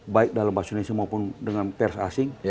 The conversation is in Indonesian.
baik dalam bahasa indonesia maupun dengan pers asing